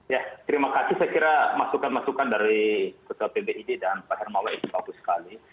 ya terima kasih saya kira masukan masukan dari ketua pbid dan pak hermawan itu bagus sekali